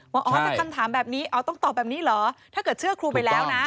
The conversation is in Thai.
ว่าอ๋อถ้าคำถามแบบนี้ต้องตอบแบบนี้เหรอถ้าเกิดเชื่อครูไปแล้วนะ